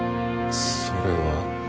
それは。